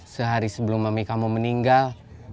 sehari sebelum mami kamu meninggal